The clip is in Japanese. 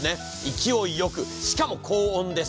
勢いよく、しかも高温です。